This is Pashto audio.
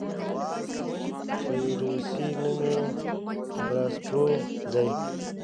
چې روسي نوم ئې Bratstvoدے